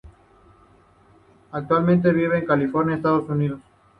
Actualmente vive en California, Estados Unidos.